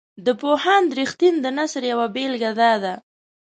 د پوهاند رښتین د نثر یوه بیلګه داده.